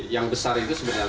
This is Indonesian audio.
yang terakhir adalah